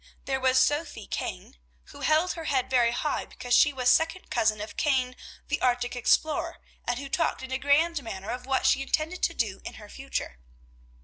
There was Sophy Kane, who held her head very high because she was second cousin of Kane, the Arctic explorer, and who talked in a grand manner of what she intended to do in her future.